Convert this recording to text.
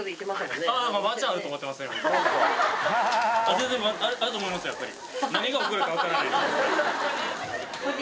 全然あると思いますよやっぱり。